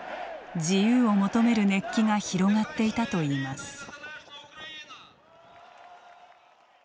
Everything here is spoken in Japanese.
自由を求める熱気が広がっていたといいます。